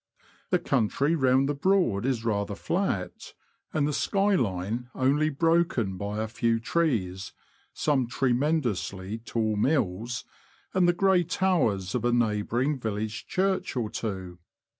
The country round the Broad is rather flat, and the sky Hne only broken by a few trees, some tremendously tall mills, and the grey towers of a neighbouring village church or two.